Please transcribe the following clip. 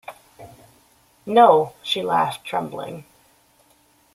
“No,” she laughed, trembling.